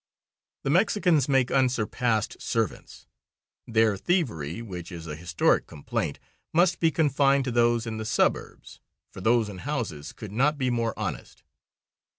The Mexicans make unsurpassed servants. Their thievery, which is a historic complaint, must be confined to those in the suburbs, for those in houses could not be more honest.